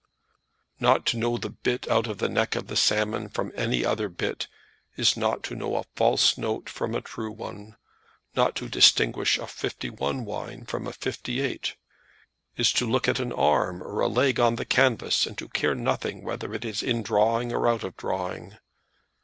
"Not to know the bit out of the neck of the salmon from any other bit, is not to know a false note from a true one. Not to distinguish a '51 wine from a '58, is to look at an arm or a leg on the canvas, and to care nothing whether it is in drawing, or out of drawing.